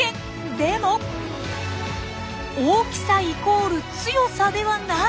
でも大きさイコール強さではない？